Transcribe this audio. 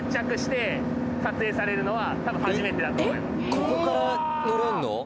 ここから乗れるの？